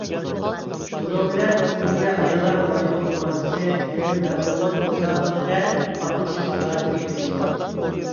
بۇنىڭ بىلەن، تۈركىيە ئاياللار ۋالىبول كوماندىسى يېرىم ھەل قىلغۇچ مۇسابىقىگە قاتنىشىش سالاھىيىتىگە ئېرىشتى.